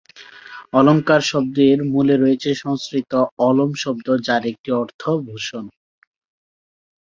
‘অলঙ্কার’ শব্দের মূলে রয়েছে সংস্কৃত ‘অলম্’ শব্দ, যার একটি অর্থ ‘ভূষণ’।